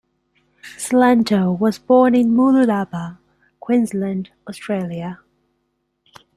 Cilento was born in Mooloolaba, Queensland, Australia.